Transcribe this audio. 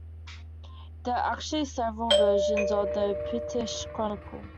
There are actually several versions of the Pictish Chronicle.